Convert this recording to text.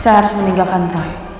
saya harus meninggalkan roy